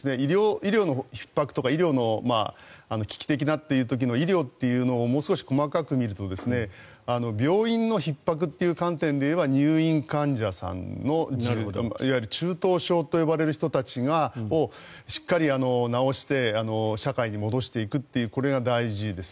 医療のひっ迫とか医療の危機的なと言う時は医療というのをもう少し細かく見ると病院のひっ迫っていう観点で言えば、入院患者さんのいわゆる中等症と呼ばれる人たちをしっかり治して社会に戻していくことが大事です。